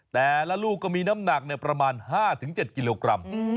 แต่ละลูกก็มีน้ำหนักประมาณ๕๗กิโลกรัม